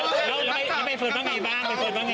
เออแล้วใบเฟิร์นว่าอย่างไรบ้าง